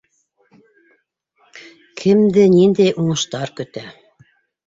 Кемде ниндәй уңыштар көтә